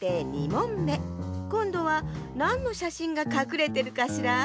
２もんめこんどはなんのしゃしんがかくれてるかしら？